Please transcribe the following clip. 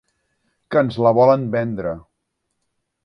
Que ens la volen vendre.